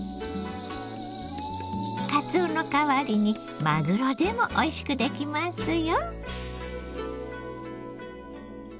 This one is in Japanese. かつおの代わりにマグロでもおいしくできますよ。